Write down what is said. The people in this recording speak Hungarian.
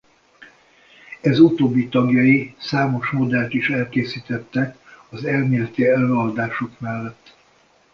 Ez utóbbi tagjai számos modellt is elkészítettek az elméleti előadások mellett.